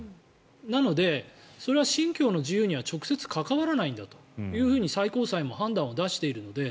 なので、それは信教の自由には直接関わらないんだと最高裁も判断を出しているので。